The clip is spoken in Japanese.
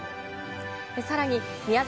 さらに宮崎